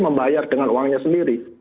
membayar dengan uangnya sendiri